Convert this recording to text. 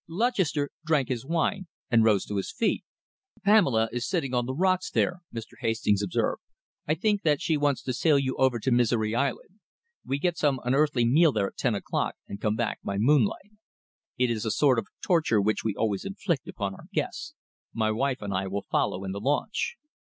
Lutchester drank his wine and rose to his feet. "Pamela is sitting on the rocks there," Mr. Hastings observed. "I think that she wants to sail you over to Misery Island. We get some unearthly meal there at ten o'clock and come back by moonlight. It is a sort of torture which we always inflict upon our guests. My wife and I will follow in the launch."